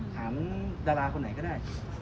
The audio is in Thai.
สถานดาราคนไหนก็ได้